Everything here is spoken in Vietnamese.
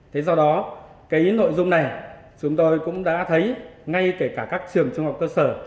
thế do đó cái nội dung này chúng tôi cũng đã thấy ngay kể cả các trường trung học cơ sở